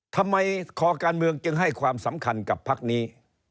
ทำไมคอการเมืองจึงให้ความสำคัญกับพักนี้